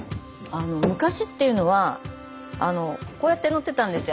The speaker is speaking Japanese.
昔っていうのはこうやって乗ってたんですよ。